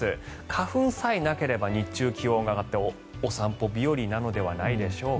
花粉さえなければ日中、気温が上がってお散歩日和なのではないでしょうか。